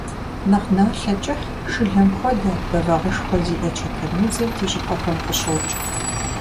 Нэхъ налъэ кӀыхь, шылэм хуэдэ, бэвагъышхуэ зиӀэ чэтэнудзыр ди щӀыпӀэхэм къыщокӀ.